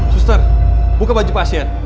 suster buka baju pasien